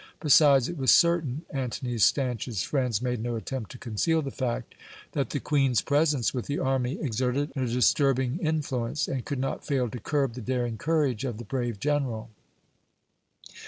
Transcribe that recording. Besides, it was certain Antony's stanchest friends made no attempt to conceal the fact that the Queen's presence with the army exerted a disturbing influence, and could not fail to curb the daring courage of the brave general.